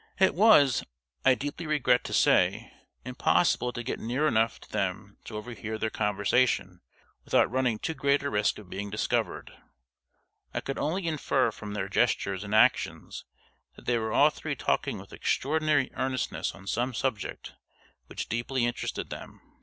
It was, I deeply regret to say, impossible to get near enough to them to overhear their conversation without running too great a risk of being discovered. I could only infer from their gestures and actions that they were all three talking with extraordinary earnestness on some subject which deeply interested them.